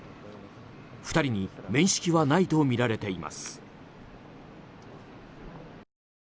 ２人に面識はないとみられています。